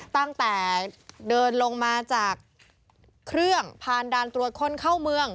ตั้งแต่เดินลงมาจากเครื่องผ่านด่านตรวจคนเข้าเมือง